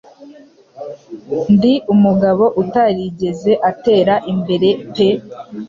Ndi umugabo utarigeze atera imbere pe